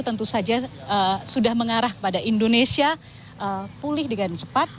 tentu saja sudah mengarah kepada indonesia pulih dengan cepat